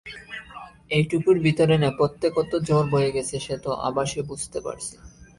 এইটুকুর ভিতরে নেপথ্যে কত ঝড় বয়ে গেছে সে তো আভাসে বুঝতে পারছি।